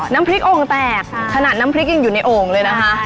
น้ำพริกโอ่งแตกขนาดน้ำพริกยังอยู่ในโอ่งเลยนะคะ